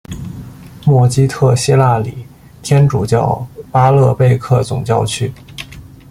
默基特希腊礼天主教巴勒贝克总教区。